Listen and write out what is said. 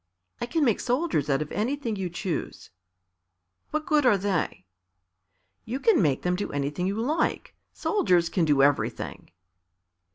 "I can make soldiers out of anything you choose." "What good are they?" "You can make them do anything you like. Soldiers can do everything."